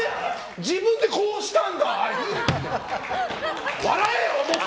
自分でこうしたんだ。いいって！